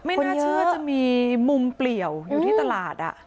ไม่น่าเชื่อจะมีมุมเปลี่ยวอยู่ที่ตลาด